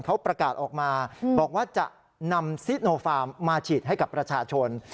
เขาประกาศออกมาบอกว่าจะนำซิโนฟาร์มมาฉีดให้กับประชาชน